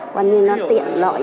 còn như nó tiện lợi